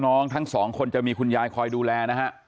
ปกติน้องทั้งสองคนจะมีคุณยายคอยดูแลนะฮะ